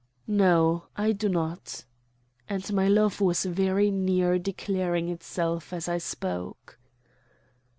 "No, I do not," and my love was very near declaring itself as I spoke.